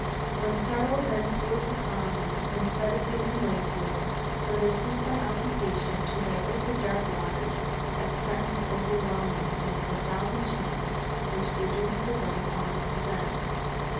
When sorrow, then, pours upon you, instead of giving way to it, rather seek by occupation to divert the dark waters that threaten to overwhelm you into the thousand channels which the duties of life always present.